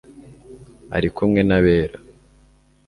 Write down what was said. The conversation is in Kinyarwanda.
ari kumwe n'abera